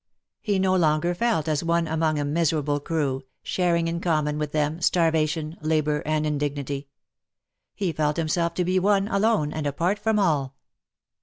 He no longer felt as one among a miserable crew, sharing in common with them starvation, labour, and indignity ; he felt himself to be one alone, and apart from all.